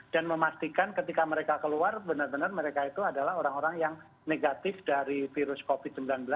dan memastikan ketika mereka keluar benar benar mereka itu adalah orang orang yang negatif dari virus covid sembilan belas